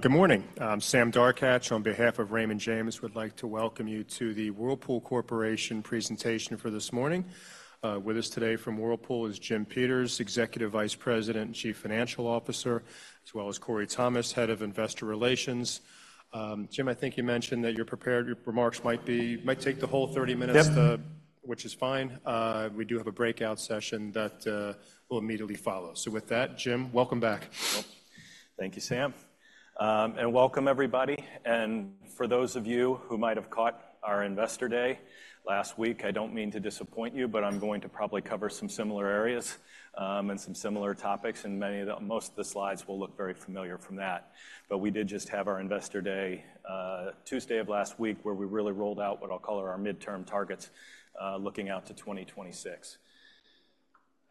Good morning. I'm Sam Darkatsh. On behalf of Raymond James, we'd like to welcome you to the Whirlpool Corporation presentation for this morning. With us today from Whirlpool is Jim Peters, Executive Vice President and Chief Financial Officer, as well as Korey Thomas, Head of Investor Relations. Jim, I think you mentioned that you're prepared. Your remarks might take the whole 30 minutes- Yep. which is fine. We do have a breakout session that will immediately follow. So with that, Jim, welcome back. Thank you, Sam. And welcome, everybody, and for those of you who might have caught our Investor Day last week, I don't mean to disappoint you, but I'm going to probably cover some similar areas, and some similar topics, and most of the slides will look very familiar from that. We did just have our Investor Day Tuesday of last week, where we really rolled out what I'll call our midterm targets, looking out to 2026.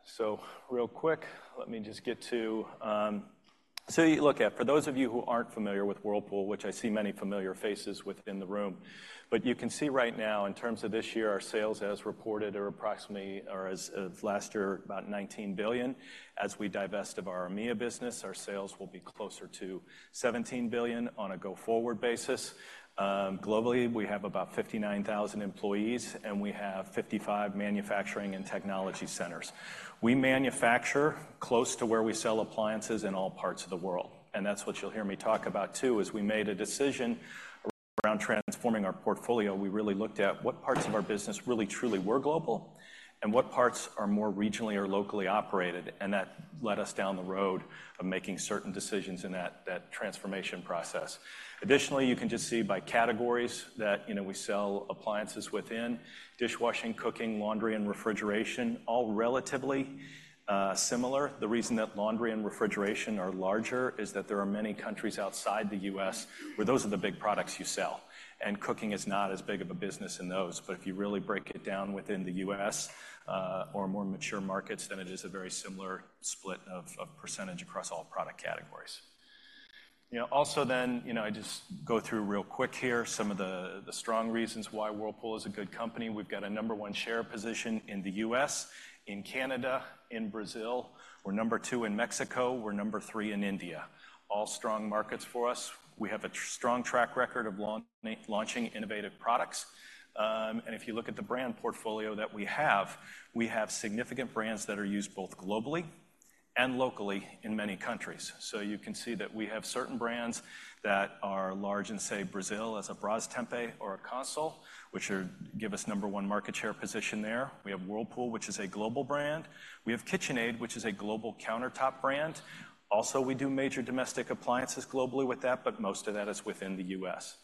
So real quick, let me just get to for those of you who aren't familiar with Whirlpool, which I see many familiar faces within the room, but you can see right now, in terms of this year, our sales, as reported, are approximately, or as of last year, about $19 billion. As we divest of our EMEA business, our sales will be closer to $17 billion on a go-forward basis. Globally, we have about 59,000 employees, and we have 55 manufacturing and technology centers. We manufacture close to where we sell appliances in all parts of the world, and that's what you'll hear me talk about, too, is we made a decision around transforming our portfolio. We really looked at what parts of our business really, truly were global and what parts are more regionally or locally operated, and that led us down the road of making certain decisions in that transformation process. Additionally, you can just see by categories that, you know, we sell appliances within dishwashing, cooking, laundry, and refrigeration, all relatively similar. The reason that laundry and refrigeration are larger is that there are many countries outside the U.S. where those are the big products you sell, and cooking is not as big of a business in those. But if you really break it down within the U.S., or more mature markets, then it is a very similar split of percentage across all product categories. You know, also then, you know, I just go through real quick here some of the strong reasons why Whirlpool is a good company. We've got a number one share position in the U.S., in Canada, in Brazil. We're number two in Mexico. We're number three in India. All strong markets for us. We have a strong track record of launching innovative products, and if you look at the brand portfolio that we have, we have significant brands that are used both globally and locally in many countries. So you can see that we have certain brands that are large in, say, Brazil as a Brastemp or a Consul, which give us number one market share position there. We have Whirlpool, which is a global brand. We have KitchenAid, which is a global countertop brand. Also, we do major domestic appliances globally with that, but most of that is within the U.S.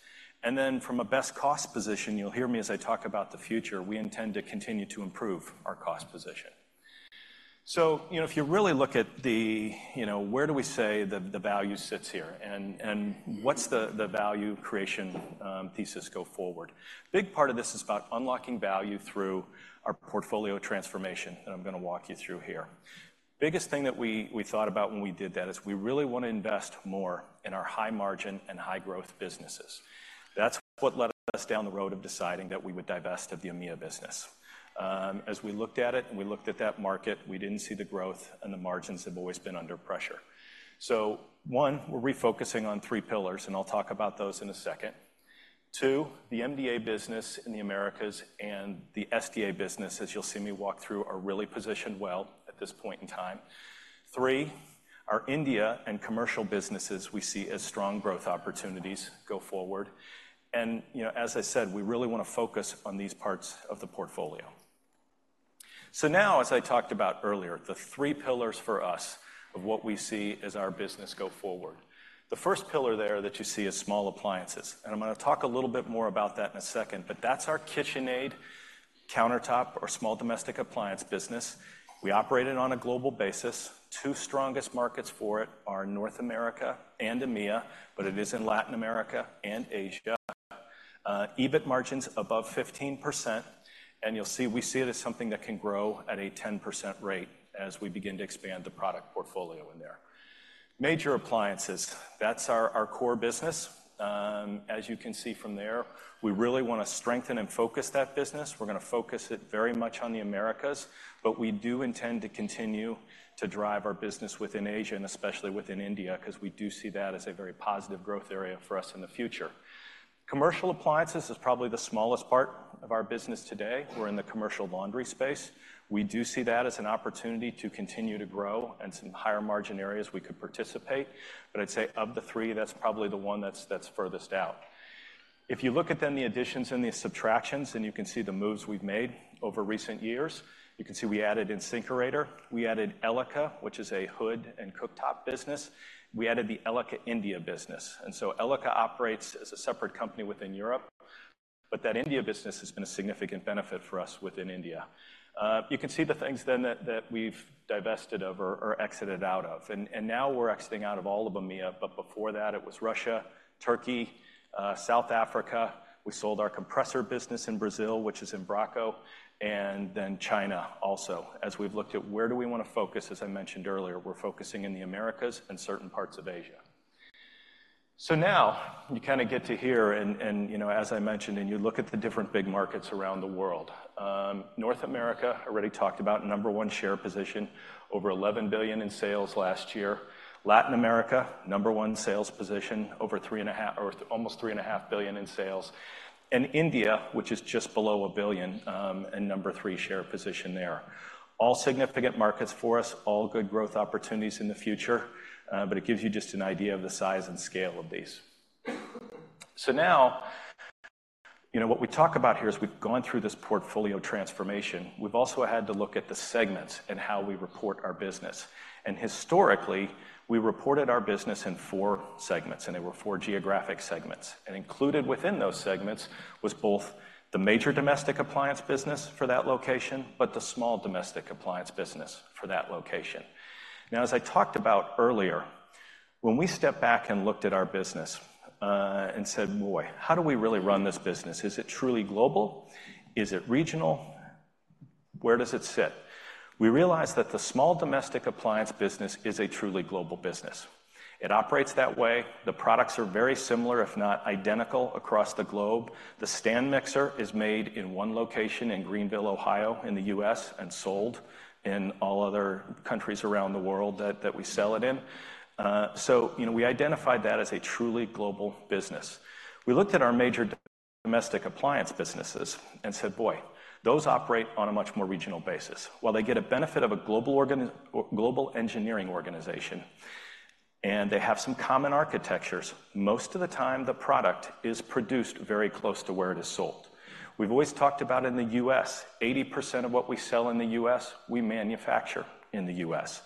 And then from a best cost position, you'll hear me as I talk about the future, we intend to continue to improve our cost position. So, you know, if you really look at the, you know, where do we say the, the value sits here, and, and what's the, the value creation thesis go forward? Big part of this is about unlocking value through our portfolio transformation, and I'm gonna walk you through here. Biggest thing that we, we thought about when we did that is we really want to invest more in our high-margin and high-growth businesses. That's what led us down the road of deciding that we would divest of the EMEA business. As we looked at it, and we looked at that market, we didn't see the growth, and the margins have always been under pressure. So one, we're refocusing on three pillars, and I'll talk about those in a second. 2, the MDA business in the Americas and the SDA business, as you'll see me walk through, are really positioned well at this point in time. 3, our India and commercial businesses we see as strong growth opportunities go forward. And, you know, as I said, we really wanna focus on these parts of the portfolio. So now, as I talked about earlier, the 3 pillars for us of what we see as our business go forward. The first pillar there that you see is small appliances, and I'm gonna talk a little bit more about that in a second, but that's our KitchenAid, countertop, or small domestic appliance business. We operate it on a global basis. 2 strongest markets for it are North America and EMEA, but it is in Latin America and Asia. EBIT margins above 15%, and you'll see, we see it as something that can grow at a 10% rate as we begin to expand the product portfolio in there. Major appliances, that's our core business. As you can see from there, we really wanna strengthen and focus that business. We're gonna focus it very much on the Americas, but we do intend to continue to drive our business within Asia and especially within India, 'cause we do see that as a very positive growth area for us in the future. Commercial appliances is probably the smallest part of our business today. We're in the commercial laundry space. We do see that as an opportunity to continue to grow in some higher-margin areas we could participate, but I'd say of the three, that's probably the one that's furthest out. If you look at then the additions and the subtractions, and you can see the moves we've made over recent years, you can see we added InSinkErator, we added Elica, which is a hood and cooktop business. We added the Elica India business, and so Elica operates as a separate company within Europe, but that India business has been a significant benefit for us within India. You can see the things then that we've divested of or exited out of, and now we're exiting out of all of EMEA, but before that, it was Russia, Turkey, South Africa. We sold our compressor business in Brazil, which is Embraco, and then China also. As we've looked at where do we wanna focus, as I mentioned earlier, we're focusing in the Americas and certain parts of Asia. So now you kind of get to hear and, and, you know, as I mentioned, and you look at the different big markets around the world. North America, already talked about, number one share position, over $11 billion in sales last year. Latin America, number one sales position, over $3.5 billion or almost $3.5 billion in sales. And India, which is just below $1 billion, and number three share position there. All significant markets for us, all good growth opportunities in the future, but it gives you just an idea of the size and scale of these. So now, you know, what we talk about here is we've gone through this portfolio transformation. We've also had to look at the segments and how we report our business. And historically, we reported our business in four segments, and they were four geographic segments. Included within those segments was both the major domestic appliance business for that location, but the small domestic appliance business for that location. Now, as I talked about earlier, when we stepped back and looked at our business, and said: Boy, how do we really run this business? Is it truly global? Is it regional? Where does it sit? We realized that the small domestic appliance business is a truly global business. It operates that way. The products are very similar, if not identical, across the globe. The Stand Mixer is made in one location in Greenville, Ohio, in the U.S., and sold in all other countries around the world that we sell it in. So, you know, we identified that as a truly global business. We looked at our major domestic appliance businesses and said: Boy, those operate on a much more regional basis. While they get a benefit of a global engineering organization, and they have some common architectures, most of the time, the product is produced very close to where it is sold. We've always talked about in the U.S., 80% of what we sell in the U.S., we manufacture in the U.S. You know,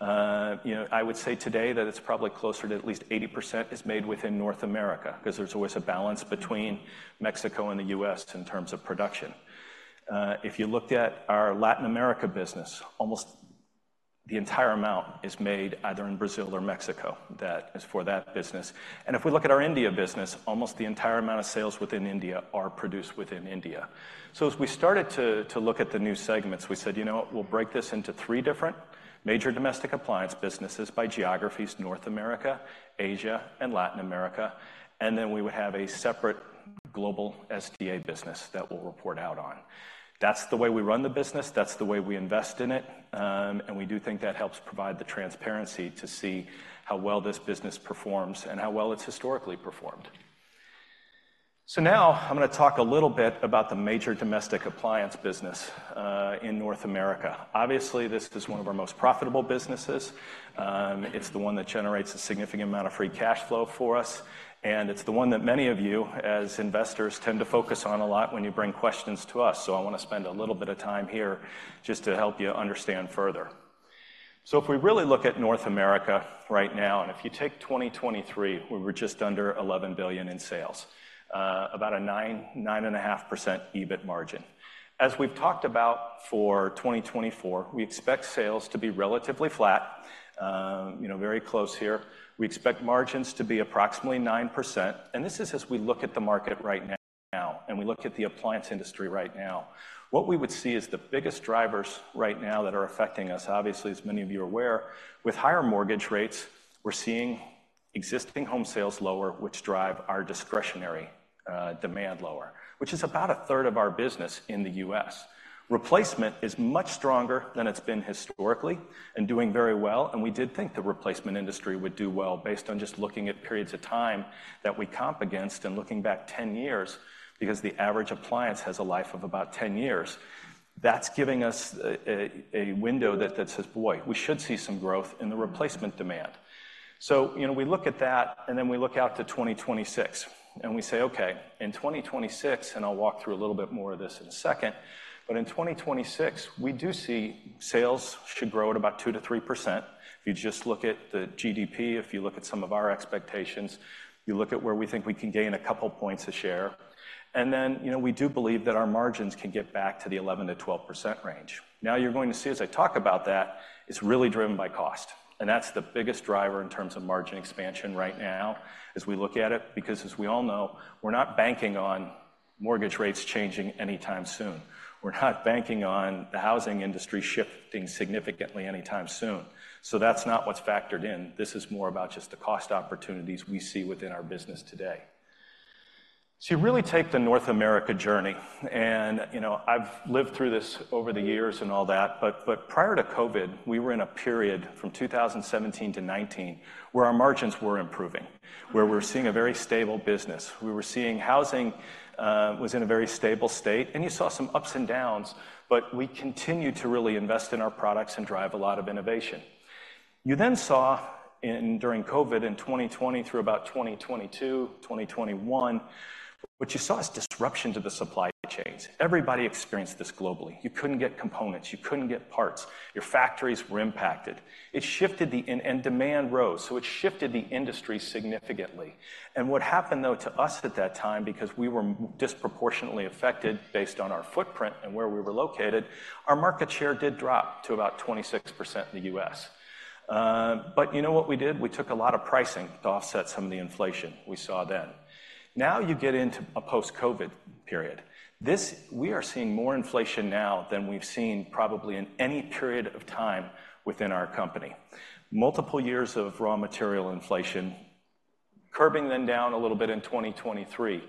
I would say today that it's probably closer to at least 80% is made within North America because there's always a balance between Mexico and the U.S. in terms of production. If you looked at our Latin America business, almost the entire amount is made either in Brazil or Mexico. That is for that business. And if we look at our India business, almost the entire amount of sales within India are produced within India. So as we started to look at the new segments, we said: You know what? We'll break this into three different major domestic appliance businesses by geographies, North America, Asia, and Latin America, and then we would have a separate global SDA business that we'll report out on. That's the way we run the business, that's the way we invest in it, and we do think that helps provide the transparency to see how well this business performs and how well it's historically performed. So now I'm going to talk a little bit about the major domestic appliance business in North America. Obviously, this is one of our most profitable businesses. It's the one that generates a significant amount of free cash flow for us, and it's the one that many of you, as investors, tend to focus on a lot when you bring questions to us. So I want to spend a little bit of time here just to help you understand further. So if we really look at North America right now, and if you take 2023, we were just under $11 billion in sales, about a 9%-9.5% EBIT margin. As we've talked about for 2024, we expect sales to be relatively flat, you know, very close here. We expect margins to be approximately 9%, and this is as we look at the market right now and we look at the appliance industry right now. What we would see is the biggest drivers right now that are affecting us, obviously, as many of you are aware, with higher mortgage rates, we're seeing existing home sales lower, which drive our discretionary demand lower, which is about a third of our business in the US. Replacement is much stronger than it's been historically and doing very well, and we did think the replacement industry would do well based on just looking at periods of time that we comp against and looking back 10 years, because the average appliance has a life of about 10 years. That's giving us a window that says, boy, we should see some growth in the replacement demand. So, you know, we look at that, and then we look out to 2026, and we say: Okay, in 2026, and I'll walk through a little bit more of this in a second, but in 2026, we do see sales should grow at about 2%-3%. If you just look at the GDP, if you look at some of our expectations, you look at where we think we can gain a couple points of share. And then, you know, we do believe that our margins can get back to the 11%-12% range. Now, you're going to see, as I talk about that, it's really driven by cost, and that's the biggest driver in terms of margin expansion right now as we look at it, because as we all know, we're not banking on mortgage rates changing anytime soon. We're not banking on the housing industry shifting significantly anytime soon. So that's not what's factored in. This is more about just the cost opportunities we see within our business today. So you really take the North America journey, and, you know, I've lived through this over the years and all that, but prior to COVID, we were in a period from 2017 to 2019, where our margins were improving, where we were seeing a very stable business. We were seeing housing was in a very stable state, and you saw some ups and downs, but we continued to really invest in our products and drive a lot of innovation. You then saw during COVID in 2020 through about 2022, 2021, what you saw is disruption to the supply chains. Everybody experienced this globally. You couldn't get components, you couldn't get parts. Your factories were impacted. It shifted, and demand rose, so it shifted the industry significantly. And what happened, though, to us at that time, because we were disproportionately affected based on our footprint and where we were located, our market share did drop to about 26% in the U.S. But you know what we did? We took a lot of pricing to offset some of the inflation we saw then. Now, you get into a post-COVID period. This. We are seeing more inflation now than we've seen probably in any period of time within our company. Multiple years of raw material inflation curbing them down a little bit in 2023.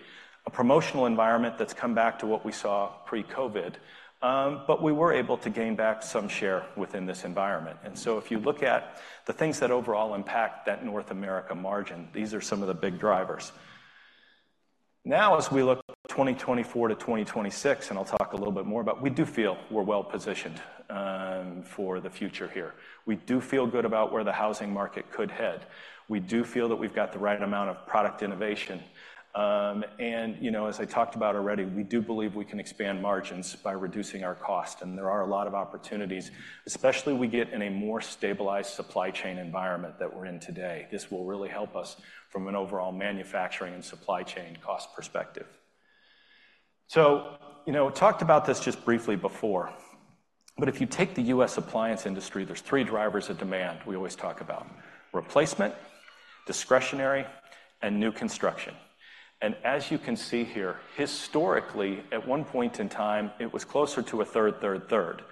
A promotional environment that's come back to what we saw pre-COVID, but we were able to gain back some share within this environment. And so if you look at the things that overall impact that North America margin, these are some of the big drivers. Now, as we look at 2024 to 2026, and I'll talk a little bit more about, we do feel we're well-positioned for the future here. We do feel good about where the housing market could head. We do feel that we've got the right amount of product innovation, and, you know, as I talked about already, we do believe we can expand margins by reducing our cost, and there are a lot of opportunities. Especially we get in a more stabilized supply chain environment that we're in today. This will really help us from an overall manufacturing and supply chain cost perspective. So, you know, talked about this just briefly before, but if you take the U.S. appliance industry, there's three drivers of demand we always talk about: replacement, discretionary, and new construction. As you can see here, historically, at one point in time, it was closer to a third, third, third.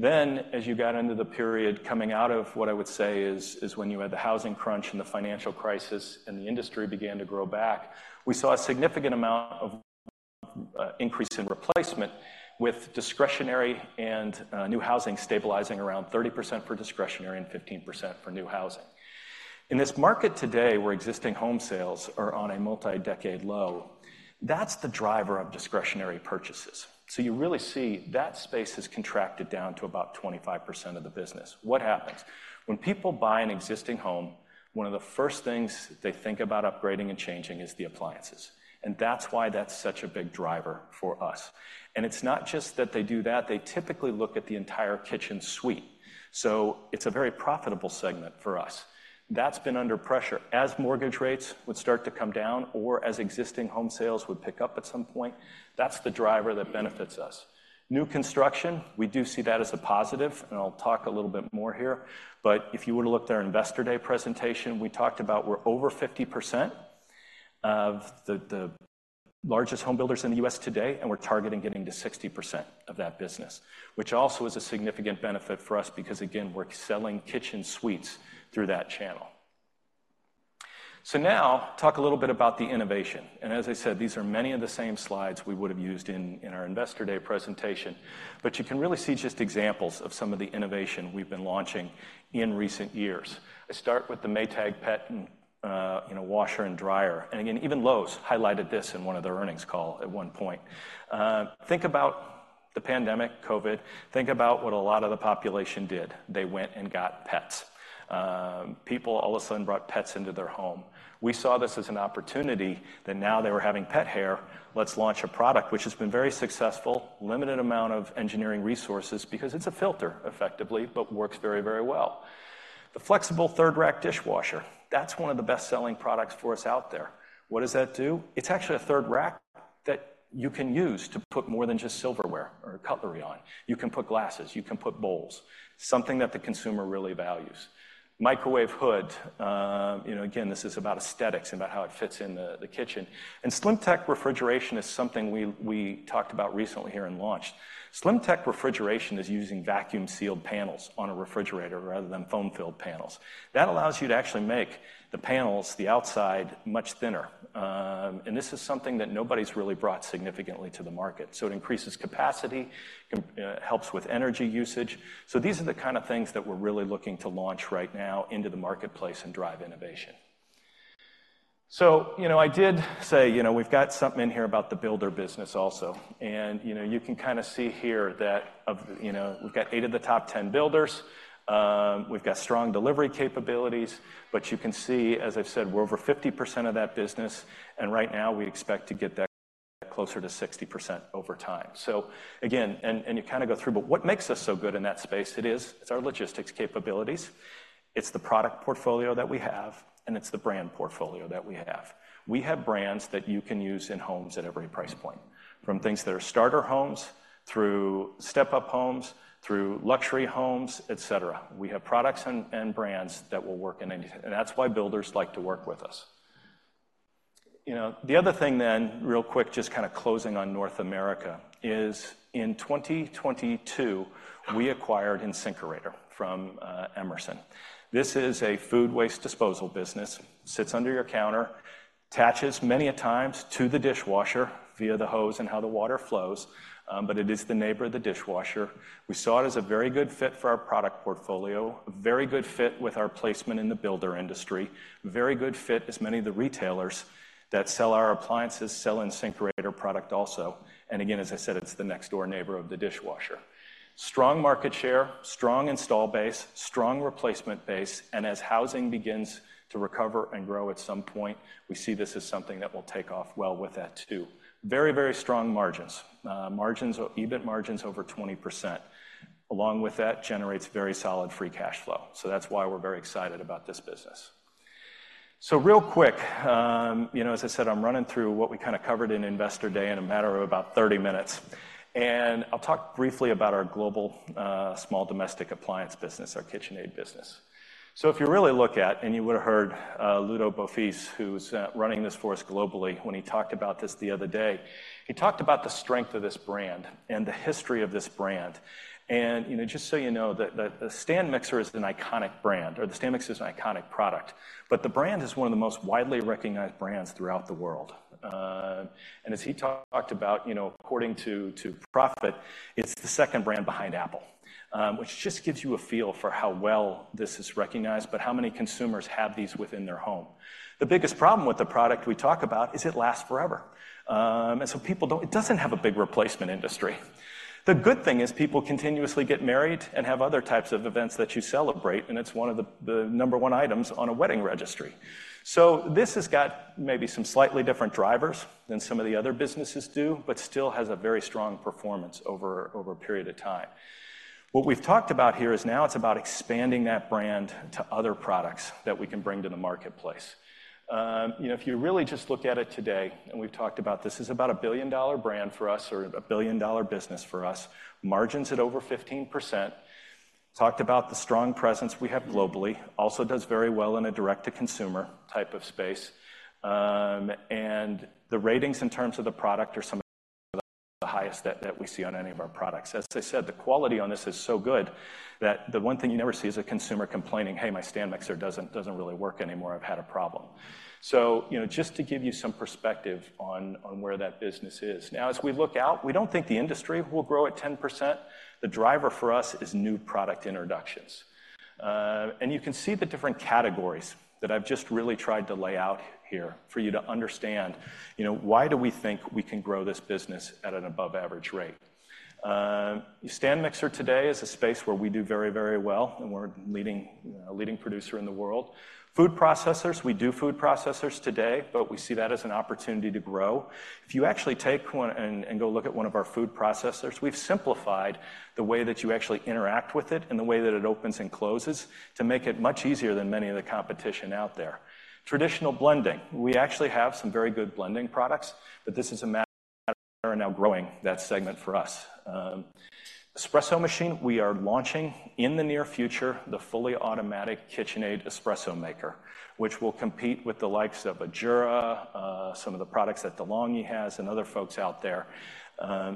Then, as you got into the period coming out of what I would say is, is when you had the housing crunch and the financial crisis and the industry began to grow back, we saw a significant amount of increase in replacement, with discretionary and new housing stabilizing around 30% for discretionary and 15% for new housing. In this market today, where existing home sales are on a multi-decade low, that's the driver of discretionary purchases. So you really see that space has contracted down to about 25% of the business. What happens? When people buy an existing home, one of the first things they think about upgrading and changing is the appliances, and that's why that's such a big driver for us. And it's not just that they do that, they typically look at the entire kitchen suite. So it's a very profitable segment for us. That's been under pressure. As mortgage rates would start to come down or as existing home sales would pick up at some point, that's the driver that benefits us. New construction, we do see that as a positive, and I'll talk a little bit more here. But if you were to look at our Investor Day presentation, we talked about we're over 50% of the largest home builders in the U.S. today, and we're targeting getting to 60% of that business, which also is a significant benefit for us because, again, we're selling kitchen suites through that channel. So now, talk a little bit about the innovation. As I said, these are many of the same slides we would have used in our Investor Day presentation, but you can really see just examples of some of the innovation we've been launching in recent years. I start with the Maytag Pet, and, you know, washer and dryer. And again, even Lowe's highlighted this in one of their earnings call at one point. Think about the pandemic, COVID. Think about what a lot of the population did. They went and got pets. People all of a sudden brought pets into their home. We saw this as an opportunity that now they were having pet hair, let's launch a product which has been very successful, limited amount of engineering resources, because it's a filter, effectively, but works very, very well. The flexible third-rack dishwasher, that's one of the best-selling products for us out there. What does that do? It's actually a third rack that you can use to put more than just silverware or cutlery on. You can put glasses, you can put bowls, something that the consumer really values. Microwave hood, you know, again, this is about aesthetics, about how it fits in the kitchen. And SlimTech Refrigeration is something we talked about recently here and launched. SlimTech Refrigeration is using vacuum-sealed panels on a refrigerator rather than foam-filled panels. That allows you to actually make the panels, the outside, much thinner. And this is something that nobody's really brought significantly to the market. So it increases capacity, helps with energy usage. So these are the kind of things that we're really looking to launch right now into the marketplace and drive innovation. So, you know, I did say, you know, we've got something in here about the builder business also. You know, you can kinda see here that, you know, we've got eight of the top 10 builders, we've got strong delivery capabilities, but you can see, as I've said, we're over 50% of that business, and right now we expect to get that closer to 60% over time. So again, you kind of go through, but what makes us so good in that space, it is, it's our logistics capabilities, it's the product portfolio that we have, and it's the brand portfolio that we have. We have brands that you can use in homes at every price point, from things that are starter homes, through step-up homes, through luxury homes, etc. We have products and brands that will work in anything, and that's why builders like to work with us. You know, the other thing then, real quick, just kind of closing on North America, is in 2022, we acquired InSinkErator from Emerson. This is a food waste disposal business, sits under your counter, attaches many a times to the dishwasher via the hose and how the water flows, but it is the neighbor of the dishwasher. We saw it as a very good fit for our product portfolio, a very good fit with our placement in the builder industry, very good fit as many of the retailers that sell our appliances sell InSinkErator product also. And again, as I said, it's the next door neighbor of the dishwasher. Strong market share, strong install base, strong replacement base, and as housing begins to recover and grow at some point, we see this as something that will take off well with that too. Very, very strong margins. Margins, EBIT margins over 20%. Along with that generates very solid free cash flow. So that's why we're very excited about this business. So real quick, you know, as I said, I'm running through what we kind of covered in Investor Day in a matter of about 30 minutes. I'll talk briefly about our global small domestic appliance business, our KitchenAid business. So if you really look at, and you would have heard, Ludo Beaufils, who's running this for us globally, when he talked about this the other day, he talked about the strength of this brand and the history of this brand. You know, just so you know, the Stand Mixer is an iconic brand, or the Stand Mixer is an iconic product, but the brand is one of the most widely recognized brands throughout the world. As he talked about, you know, according to Prophet, it's the second brand behind Apple, which just gives you a feel for how well this is recognized, but how many consumers have these within their home. The biggest problem with the product we talk about is it lasts forever. So people don't. It doesn't have a big replacement industry. The good thing is people continuously get married and have other types of events that you celebrate, and it's one of the number one items on a wedding registry. This has got maybe some slightly different drivers than some of the other businesses do, but still has a very strong performance over a period of time. What we've talked about here is now it's about expanding that brand to other products that we can bring to the marketplace. You know, if you really just look at it today, and we've talked about this, this is about a billion-dollar brand for us or a billion-dollar business for us. Margins at over 15%. Talked about the strong presence we have globally, also does very well in a direct-to-consumer type of space. And the ratings in terms of the product are some of the highest that we see on any of our products. As I said, the quality on this is so good that the one thing you never see is a consumer complaining, "Hey, my Stand Mixer doesn't really work anymore. I've had a problem." So, you know, just to give you some perspective on where that business is. Now, as we look out, we don't think the industry will grow at 10%. The driver for us is new product introductions. And you can see the different categories that I've just really tried to lay out here for you to understand, you know, why do we think we can grow this business at an above-average rate? Stand Mixer today is a space where we do very, very well, and we're a leading producer in the world. Food processors, we do food processors today, but we see that as an opportunity to grow. If you actually take one and go look at one of our food processors, we've simplified the way that you actually interact with it and the way that it opens and closes to make it much easier than many of the competition out there. Traditional blending. We actually have some very good blending products, but this is a matter of now growing that segment for us. Espresso machine, we are launching in the near future, the fully automatic KitchenAid espresso maker, which will compete with the likes of Jura, some of the products that De'Longhi has, and other folks out there.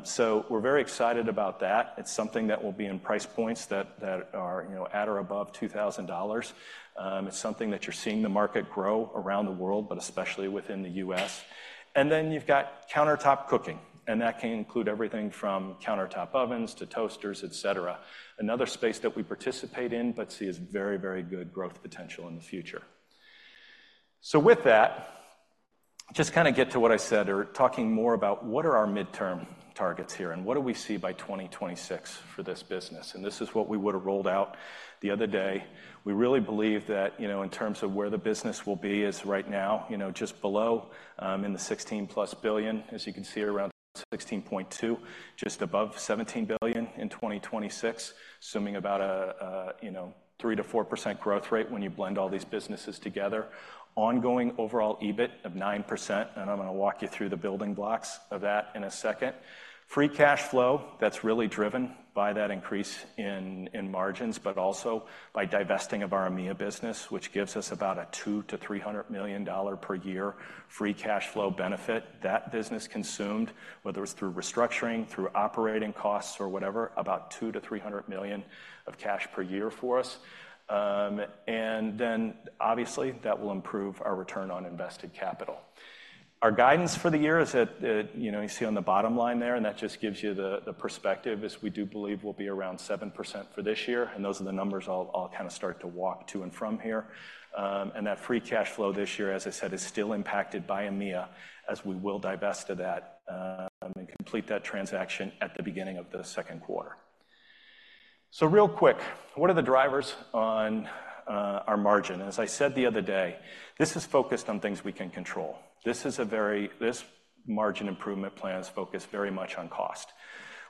So we're very excited about that. It's something that will be in price points that are, you know, at or above $2,000. It's something that you're seeing the market grow around the world, but especially within the U.S. And then you've got countertop cooking, and that can include everything from countertop ovens to toasters, et cetera. Another space that we participate in, but see as very, very good growth potential in the future. So with that, just kind of get to what I said, or talking more about what are our midterm targets here, and what do we see by 2026 for this business? And this is what we would have rolled out the other day. We really believe that, you know, in terms of where the business will be, is right now, you know, just below in the $16+ billion, as you can see, around $16.2 billion, just above $17 billion in 2026, assuming about a, you know, 3%-4% growth rate when you blend all these businesses together. Ongoing overall EBIT of 9%, and I'm gonna walk you through the building blocks of that in a second. Free cash flow, that's really driven by that increase in margins, but also by divesting of our EMEA business, which gives us about a $200 million-$300 million per year free cash flow benefit. That business consumed, whether it was through restructuring, through operating costs or whatever, about $200 million-$300 million of cash per year for us. And then obviously, that will improve our return on invested capital. Our guidance for the year is at, you know, you see on the bottom line there, and that just gives you the perspective, as we do believe will be around 7% for this year, and those are the numbers I'll kind of start to walk to and from here. And that free cash flow this year, as I said, is still impacted by EMEA, as we will divest of that, and complete that transaction at the beginning of the second quarter. So real quick, what are the drivers on our margin? As I said the other day, this is focused on things we can control. This margin improvement plan is focused very much on cost.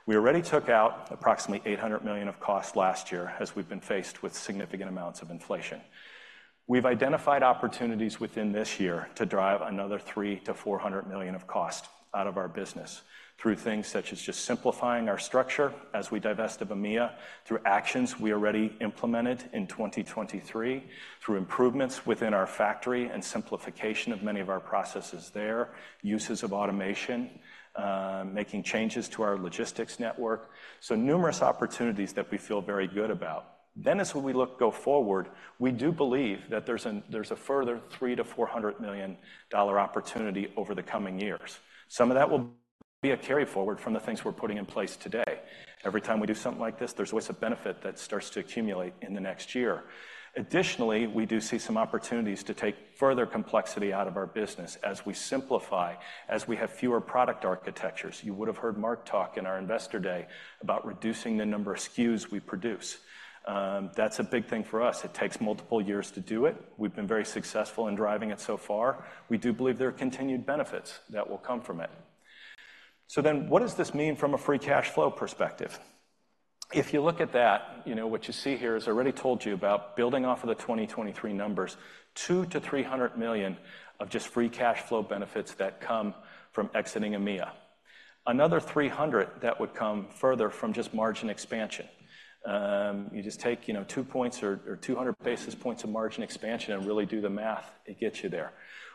We already took out approximately $800 million of cost last year, as we've been faced with significant amounts of inflation. We've identified opportunities within this year to drive another $300 million-$400 million of cost out of our business through things such as just simplifying our structure as we divest of EMEA, through actions we already implemented in 2023, through improvements within our factory and simplification of many of our processes there, uses of automation, making changes to our logistics network. So numerous opportunities that we feel very good about. Then as we look forward, we do believe that there's a further $300 million-$400 million opportunity over the coming years. Some of that will be a carry forward from the things we're putting in place today. Every time we do something like this, there's always a benefit that starts to accumulate in the next year. Additionally, we do see some opportunities to take further complexity out of our business as we simplify, as we have fewer product architectures. You would have heard Marc talk in our Investor Day about reducing the number of SKUs we produce. That's a big thing for us. It takes multiple years to do it. We've been very successful in driving it so far. We do believe there are continued benefits that will come from it. So then, what does this mean from a free cash flow perspective? If you look at that, you know, what you see here is I already told you about building off of the 2023 numbers, $200 million-$300 million of just free cash flow benefits that come from exiting EMEA. Another $300 million that would come further from just margin expansion. You just take, you know, 2 points or, or 200 basis points of margin expansion and really do the math. It gets you there.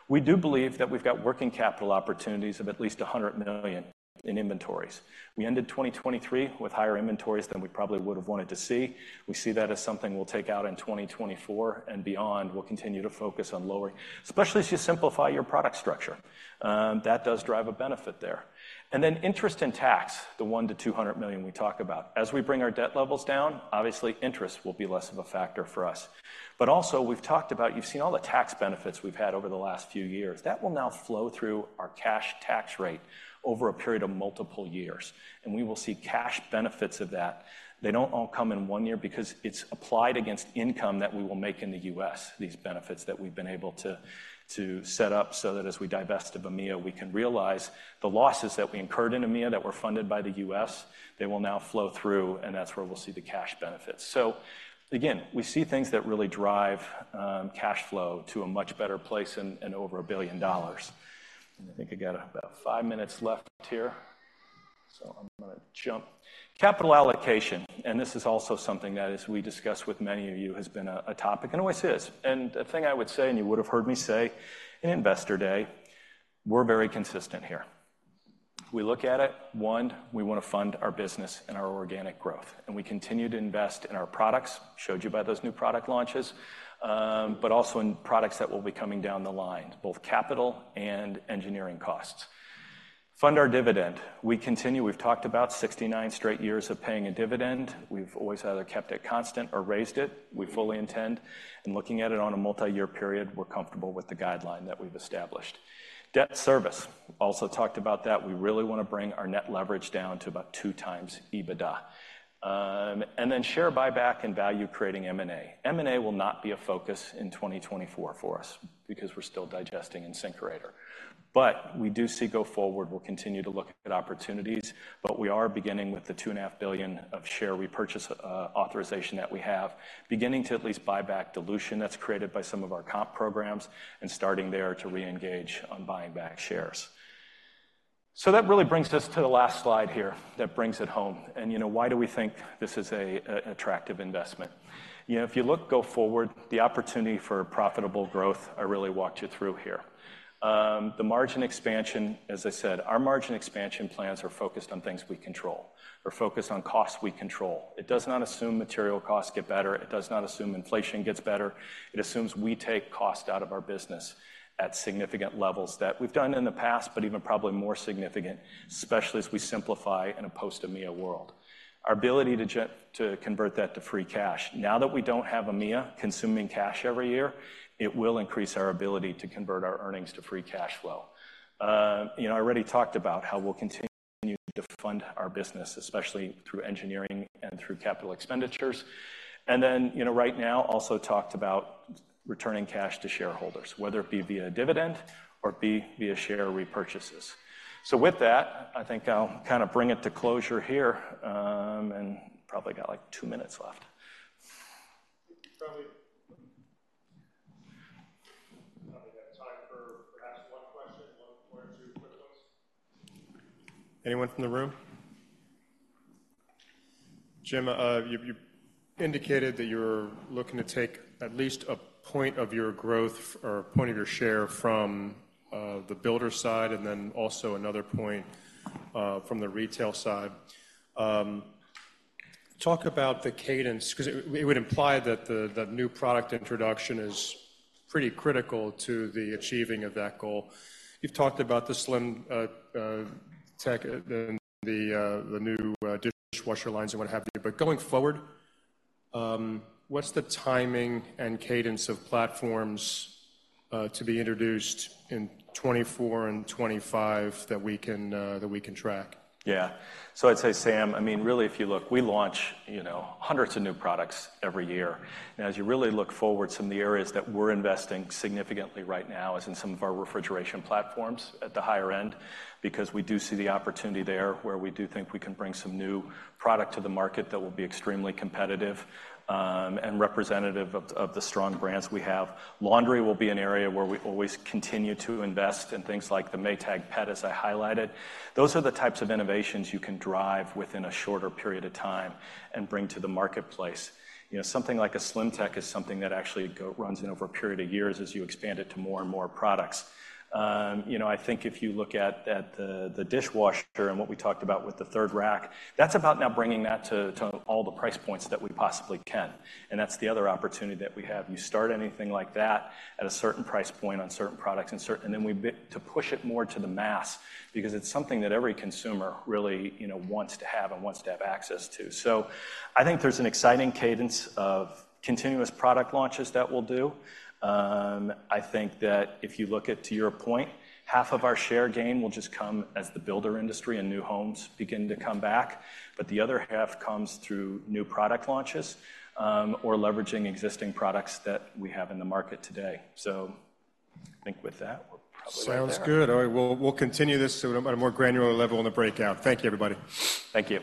We do believe that we've got working capital opportunities of at least $100 million in inventories. We ended 2023 with higher inventories than we probably would have wanted to see. We see that as something we'll take out in 2024 and beyond. We'll continue to focus on lowering, especially as you simplify your product structure. That does drive a benefit there. And then interest and tax, the $100 million-$200 million we talk about. As we bring our debt levels down, obviously, interest will be less of a factor for us. But also, we've talked about. You've seen all the tax benefits we've had over the last few years. That will now flow through our cash tax rate over a period of multiple years, and we will see cash benefits of that. They don't all come in one year because it's applied against income that we will make in the U.S., these benefits that we've been able to set up so that as we divest of EMEA, we can realize the losses that we incurred in EMEA that were funded by the U.S., they will now flow through, and that's where we'll see the cash benefits. So again, we see things that really drive cash flow to a much better place and over $1 billion. I think I got about five minutes left here, so I'm gonna jump. Capital allocation, and this is also something that, as we discussed with many of you, has been a topic, and always is. The thing I would say, and you would have heard me say in Investor Day, we're very consistent here. We look at it, one, we want to fund our business and our organic growth, and we continue to invest in our products, showed you by those new product launches, but also in products that will be coming down the line, both capital and engineering costs. Fund our dividend. We continue. We've talked about 69 straight years of paying a dividend. We've always either kept it constant or raised it. We fully intend, and looking at it on a multi-year period, we're comfortable with the guideline that we've established. Debt service, also talked about that. We really want to bring our net leverage down to about 2x EBITDA. And then share buyback and value creating M&A. M&A will not be a focus in 2024 for us because we're still digesting InSinkErator. But we do see go forward, we'll continue to look at opportunities, but we are beginning with the $2.5 billion of share repurchase authorization that we have, beginning to at least buy back dilution that's created by some of our comp programs and starting there to reengage on buying back shares. So that really brings us to the last slide here. That brings it home. And, you know, why do we think this is a attractive investment? You know, if you look go forward, the opportunity for profitable growth, I really walked you through here. The margin expansion, as I said, our margin expansion plans are focused on things we control. We're focused on costs we control. It does not assume material costs get better. It does not assume inflation gets better. It assumes we take cost out of our business at significant levels that we've done in the past, but even probably more significant, especially as we simplify in a post-EMEA world. Our ability to convert that to free cash. Now that we don't have EMEA consuming cash every year, it will increase our ability to convert our earnings to free cash flow. You know, I already talked about how we'll continue to fund our business, especially through engineering and through capital expenditures. And then, you know, right now, also talked about returning cash to shareholders, whether it be via dividend or be via share repurchases. So with that, I think I'll kind of bring it to closure here, and probably got, like, two minutes left. Probably, probably got time for perhaps one question, one or two quick ones. Anyone from the room? Jim, you've you indicated that you're looking to take at least a point of your growth or point of your share from the builder side and then also another point from the retail side. Talk about the cadence, 'cause it would imply that the new product introduction is pretty critical to the achieving of that goal. You've talked about the SlimTech, the new dishwasher lines and what have you. But going forward, what's the timing and cadence of platforms to be introduced in 2024 and 2025 that we can track? Yeah. So I'd say, Sam, I mean, really, if you look, we launch, you know, hundreds of new products every year. And as you really look forward, some of the areas that we're investing significantly right now is in some of our refrigeration platforms at the higher end, because we do see the opportunity there where we do think we can bring some new product to the market that will be extremely competitive, and representative of the, of the strong brands we have. Laundry will be an area where we always continue to invest in things like the Maytag Pet, as I highlighted. Those are the types of innovations you can drive within a shorter period of time and bring to the marketplace. You know, something like a SlimTech is something that actually runs over a period of years as you expand it to more and more products. You know, I think if you look at the dishwasher and what we talked about with the third rack, that's about now bringing that to all the price points that we possibly can. And that's the other opportunity that we have. You start anything like that at a certain price point on certain products, and then we begin to push it more to the mass because it's something that every consumer really, you know, wants to have and wants to have access to. So I think there's an exciting cadence of continuous product launches that we'll do. I think that if you look at, to your point, half of our share gain will just come as the builder industry and new homes begin to come back, but the other half comes through new product launches, or leveraging existing products that we have in the market today. So I think with that, we're probably there. Sounds good. All right, we'll continue this at a more granular level in the breakout. Thank you, everybody. Thank you.